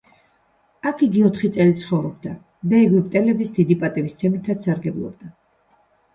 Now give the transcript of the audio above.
აქ იგი ოთხი წელი ცხოვრობდა და ეგვიპტელების დიდი პატივისცემითაც სარგებლობდა.